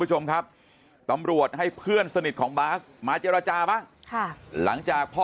คุณผู้ชมครับตำรวจให้เพื่อนสนิทของบาสมาเจรจาบ้างค่ะหลังจากพ่อ